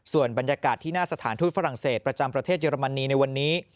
ส่วนบรรยากาศที่หน้าสถานทูตฝรั่งเศสประจำประเทศเยอรมนีในวันนี้